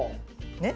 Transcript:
ねっ？